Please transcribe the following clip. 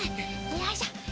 よいしょ。